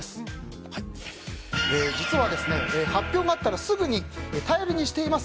実は、発表があったらすぐに頼りにしています。